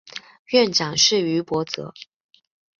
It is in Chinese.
院长是于博泽。